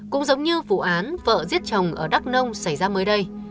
cũng giống như vụ án vợ giết chồng ở đắk nông xảy ra mới đây